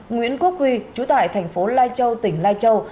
nguyễn quốc huy chú tải tp lai châu tỉnh lai châu